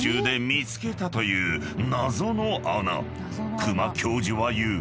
［久間教授は言う。